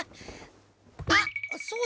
あっそうだ！